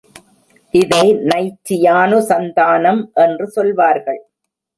இதை நைச்சி யானுசந்தானம் என்று சொல்வார்கள்.